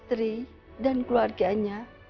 istri dan keluarganya